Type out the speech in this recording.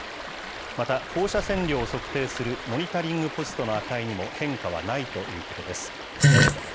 また、放射線量を測定するモニタリングポストの値にも変化はないということです。